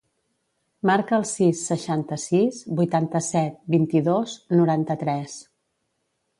Marca el sis, seixanta-sis, vuitanta-set, vint-i-dos, noranta-tres.